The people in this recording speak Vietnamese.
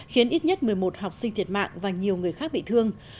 khiến ít nhất một mươi một học sinh thiệt mạng và nhiều người khác bị thương